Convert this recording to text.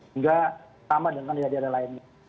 hingga sama dengan daerah daerah lainnya